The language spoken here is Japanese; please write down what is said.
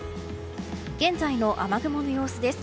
現在の雨雲の様子です。